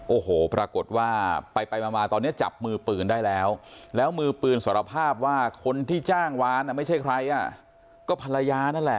โอ้โหปรากฏว่าไปไปมาตอนนี้จับมือปืนได้แล้วแล้วมือปืนสารภาพว่าคนที่จ้างวานไม่ใช่ใครอ่ะก็ภรรยานั่นแหละ